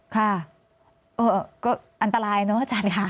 ค่ะก็อันตรายเนอะอาจารย์ค่ะ